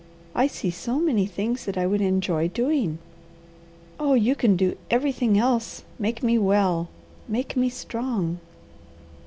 I see so many things that I would enjoy doing. Oh you can do everything else, make me well! Make me strong!"